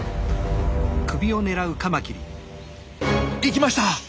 いきました！